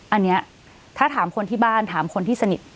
อันนี้ถ้าถามคนที่บ้านถามคนที่สนิท